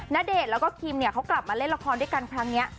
ณเดชน์แล้วก็คิมเนี่ยเขากลับมาเล่นละครด้วยกันครั้งนี้